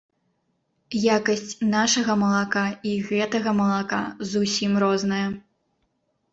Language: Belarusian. Якасць нашага малака і гэтага малака зусім розная.